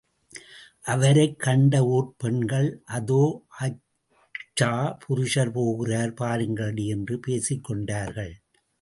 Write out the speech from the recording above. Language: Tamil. அவரைக் கண்ட ஊர்ப் பெண்கள், அதோ ஆச்சா புருஷர் போகிறார் பாருங்களடி என்று பேசிக் கொண்டார்கள்.